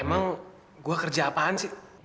emang gue kerja apaan sih